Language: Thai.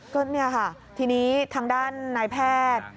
ก็เนี่ยค่ะทีนี้ทางด้านนายแพทย์